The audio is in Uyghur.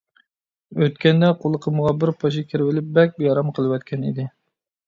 ئۆتكەندە قۇلىقىمغا بىر پاشا كىرىۋېلىپ بەك بىئارام قىلىۋەتكەن ئىدى.